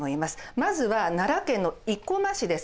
まずは奈良県の生駒市です。